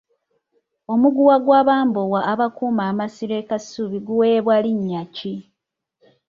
Omuguwa gw'abambowa abakuuma amasiro e Kasubi guweebwa linnya ki?